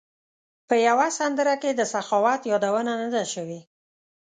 په یوه سندره کې د سخاوت یادونه نه ده شوې.